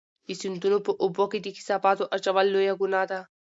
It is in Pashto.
د سیندونو په اوبو کې د کثافاتو اچول لویه ګناه ده.